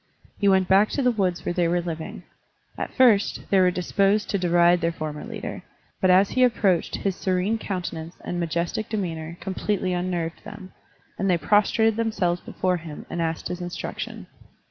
He went back to the woods where they were living. At first, they were disposed to deride their former leader, but as he approached his serene countenance and majestic demeanor completely unnerved them, and they prostrated themselves before him and asked his instruction.